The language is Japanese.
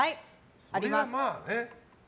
あります。